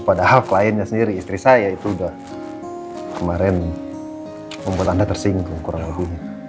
padahal kliennya sendiri istri saya itu udah kemarin membuat anda tersinggung kurang tahunya